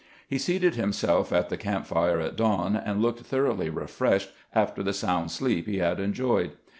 He seated himself at the camp fire at dawn, and looked thoroughly refreshed after the sound sleep he had enjoyed.